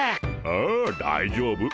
ああ大丈夫。